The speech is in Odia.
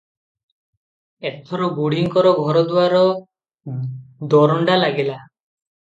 ଏଥର ବୁଢ଼ୀଙ୍କର ଘରଦୁଆର ଦରଣ୍ଡା ଲାଗିଲା ।